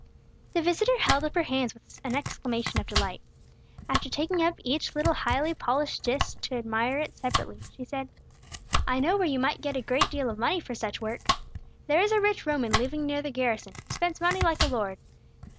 The visitor held up her hands with an exclamation of delight. After taking up each little highly polished dish to admire it separately, she said, "I know where you might get a great deal of money for such work. There is a rich Roman living near the garrison, who spends money like a lord.